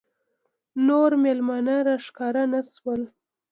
نور مېلمانه راښکاره نه شول.